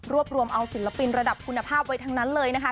รวมเอาศิลปินระดับคุณภาพไว้ทั้งนั้นเลยนะคะ